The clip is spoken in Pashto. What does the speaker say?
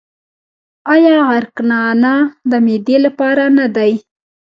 آیا عرق نعنا د معدې لپاره نه دی؟